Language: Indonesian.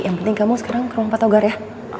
yang penting kamu sekarang ke ruang patogar ya